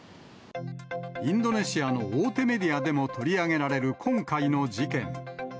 インドネシアの大手メディアでも取り上げられる今回の事件。